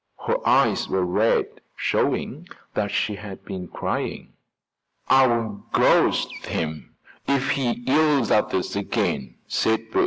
Her eyes were red, showing that she had been crying. "I'll 'ghost' him, if he yells at us again," said Bert.